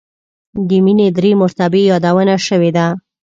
د مینې درې مرتبې یادونه شوې ده.